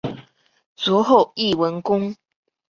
卒后谥文恭。